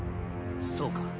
そうか。